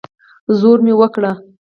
زور مې وکړ.